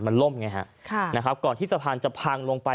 มันล่มไงครับก่อนที่สะพานจะพังลงไป